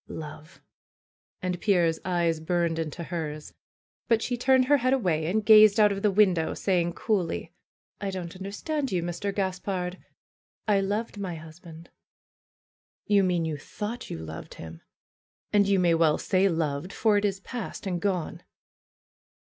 ^^Love !" And Pierre's eyes burned into hers. But she turned her head away and gazed out of the win dow, saying coolly: don't understand you, Mr. Gaspard. I loved my husband." 238 FAITH ^'You mean you thought you loved him! And you may well say loved, for it is past and gone."